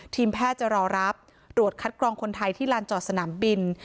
ทีมแพทย์จะรอรับตรวจคัดกรองคนไทยที่ลานจอดสนามบิน